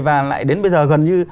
và lại đến bây giờ gần như